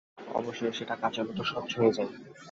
অবশেষে সেটা কাচের মত স্বচ্ছ হয়ে যায়।